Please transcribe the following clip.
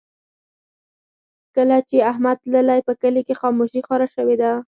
کله چې احمد تللی، په کلي کې خاموشي خوره شوې ده.